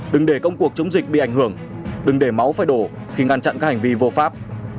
đừng để công cuộc chống dịch bị ảnh hưởng đừng để máu phải đổ khi ngăn chặn các hành vi vô pháp